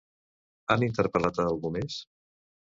Han interpel·lat a algú més?